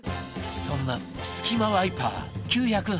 そんなすき間ワイパー９８０円